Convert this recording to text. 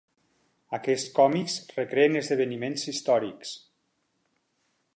Aquests còmics recreen esdeveniments històrics.